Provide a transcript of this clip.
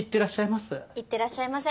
いってらっしゃいませ。